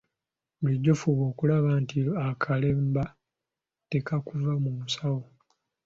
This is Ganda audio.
Bulijjo fuba okulaba nti akalemba tekakuva mu nsawo.